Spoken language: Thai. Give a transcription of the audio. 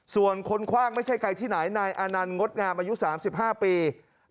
ส่วนคนคว่างไม่ใช่ใครที่ไหนนายอานันต์งดงามอายุ๓๕ปี